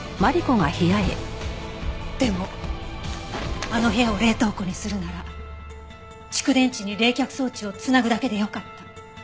でもあの部屋を冷凍庫にするなら蓄電池に冷却装置を繋ぐだけでよかった。